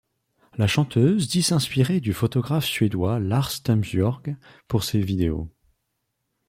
La chanteuse dit s'inspirer du photographe suédois Lars Tunbjörk pour ses vidéos.